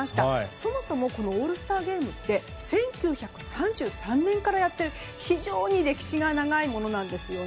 そもそもオールスターゲームって１９３３年からやっている非常に歴史が長いものなんです。